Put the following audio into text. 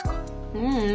ううん。